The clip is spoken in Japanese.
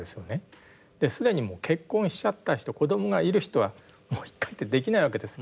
既にもう結婚しちゃった人子どもがいる人はもう一回ってできないわけです。